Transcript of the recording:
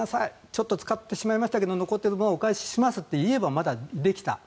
ちょっと使ってしまいましたけど残った分はお返ししますとすればまだできた。